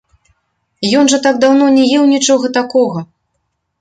Ён жа так даўно не еў нічога такога!